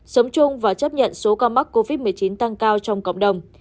sống chung và chấp nhận số ca mắc covid một mươi chín tăng cao trong cộng đồng